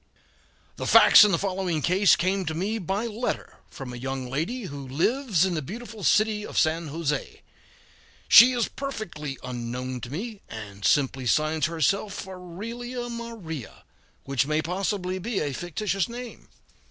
] The facts in the following case came to me by letter from a young lady who lives in the beautiful city of San Jose; she is perfectly unknown to me, and simply signs herself "Aurelia Maria," which may possibly be a fictitious name.